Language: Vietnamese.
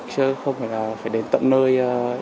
chứ không phải là phải đến tận nơi